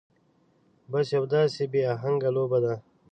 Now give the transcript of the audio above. بس يو داسې بې اهنګه لوبه ده.